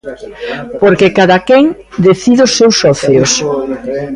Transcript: Porque cadaquén decide os seus socios.